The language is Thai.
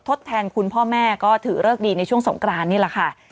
ทดแทนคุณพ่อแม่ก็ถือเลิกดีในช่วงสงกรานนี่แหละค่ะ